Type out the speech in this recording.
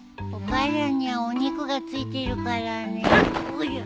お母さんにはお肉が付いているからね。